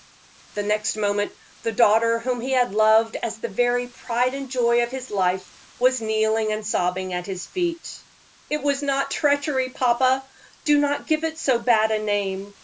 The next moment the daughter whom he had loved as the very pride and joy of his life, was kneeling and sobbing at his feet. "It was not treachery, papa; do not give it so bad a name.